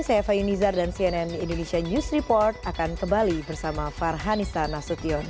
saya fahim nizar dan cnn indonesia news report akan kembali bersama farhan istana sution